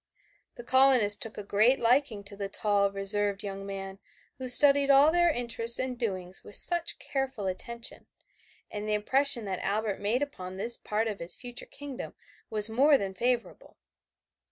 The colonists took a great liking to the tall, reserved young man who studied all their interests and doings with such careful attention, and the impression that Albert made upon this part of his future kingdom was more than favorable.